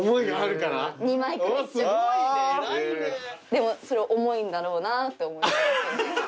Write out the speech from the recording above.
でもそれ重いんだろうなって思いますよね。